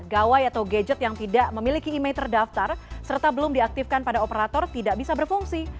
gawai atau gadget yang tidak memiliki email terdaftar serta belum diaktifkan pada operator tidak bisa berfungsi